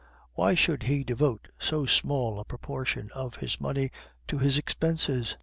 Why should he devote so small a proportion of his money to his expenses?